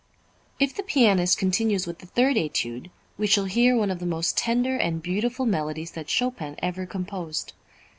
If the pianist continues with the third Étude, we shall hear one of the most tender and beautiful melodies that Chopin ever composed.